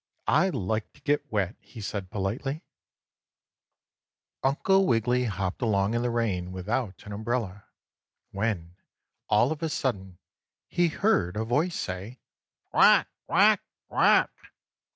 "I like to get wet," he said politely. 4. Uncle Wiggily hopped along in the rain without an umbrella, when, all of a sudden, he heard a voice say: "Quack!